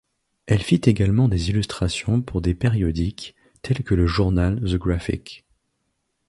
Elle fit également des illustrations pour des périodiques, tel que le journal The Graphic.